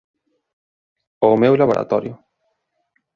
Ao meu laboratorio.